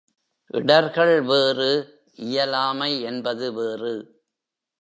இடர்கள் வேறு இயலாமை என்பது வேறு.